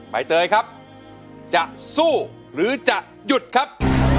ใบเตยครับจะสู้หรือจะหยุดครับ